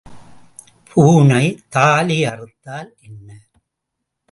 பூனை தாலி அறுத்தால் என்ன?